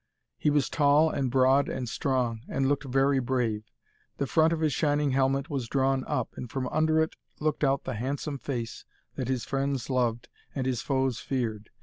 He was tall and broad and strong, and looked very brave. The front of his shining helmet was drawn up, and from under it looked out the handsome face that his friends loved and his foes feared.